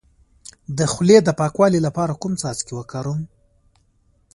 د خولې د پاکوالي لپاره کوم څاڅکي وکاروم؟